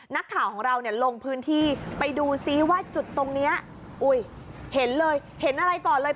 นักข่าวของเราเนี่ยลงพื้นที่ไปดูซิว่าจุดตรงนี้อุ้ยเห็นเลยเห็นอะไรก่อนเลย